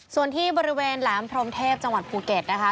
ส่วนที่บริเวณแหลมพรมเทพจังหวัดภูเก็ตนะคะ